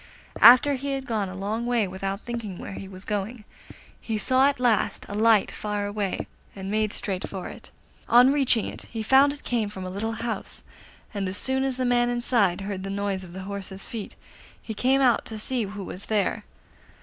After he had gone a long way without thinking where he was going, he saw at last a light far away, and made straight for it. On reaching it he found it came from a little house, and as soon as the man inside heard the noise of the horse's feet he came out to see who was there.